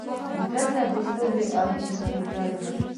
مځکه د سولې او مینې ځای ده.